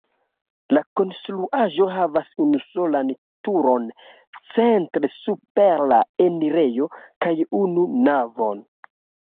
La konstruaĵo havas unusolan turon centre super la enirejo kaj unu navon.